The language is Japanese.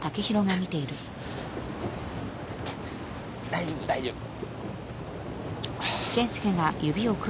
大丈夫大丈夫。